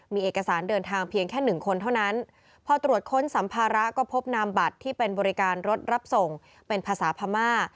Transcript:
มีเอกสารเดินทางเพียงแค่หนึ่งคนเท่านั้นพอตรวจค้นสัมภาระก็พบนามบัตรที่เป็นบริการรถรับส่งเป็นภาษาพม่า